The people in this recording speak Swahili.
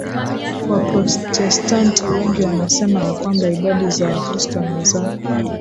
Waprotestanti Wengi wanasema ya kwamba idadi za Wakristo na za